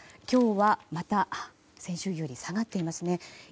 今日はまた先週より下がっていますね。